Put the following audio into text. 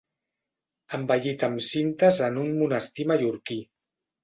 Embellit amb cintes en un monestir mallorquí.